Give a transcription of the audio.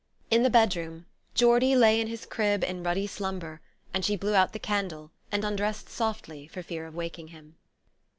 In the bedroom, Geordie lay in his crib in ruddy slumber, and she blew out the candle and undressed softly for fear of waking him.